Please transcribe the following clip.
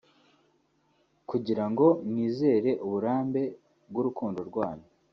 Kugira ngo mwizere uburambe bw’urukundo rwanyu